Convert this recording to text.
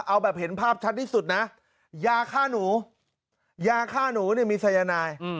เอาแบบเห็นภาพชัดที่สุดนะยาฆ่าหนูยาฆ่าหนูเนี่ยมีสายนาย